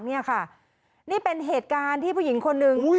นี่เป็นเหตุการณ์ที่ผู้หญิงคนนึง